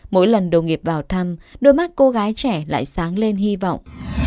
mỗi lần đồng nghiệp vào thăm đôi mắt cô gái trẻ lại sáng lên hy vọng